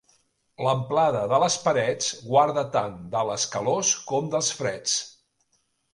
L'amplada de les parets guarda tant de les calors com dels freds.